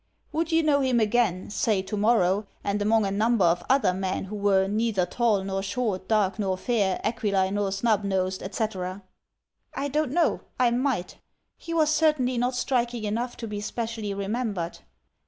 "Would you know him again — say tomorrow, and among a num ber of other men who were 'neither tall nor short, dark nor fair, aquiline nor snub nosed,' etc.?" "I don't know — I might — he was certainly not striking enough to be specially remembered."